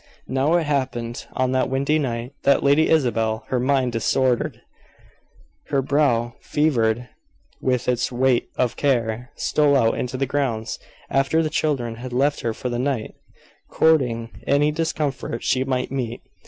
Now it happened, on that windy night, that Lady Isabel, her mind disordered, her brow fevered with its weight of care, stole out into the grounds, after the children had left her for the night, courting any discomfort she might meet.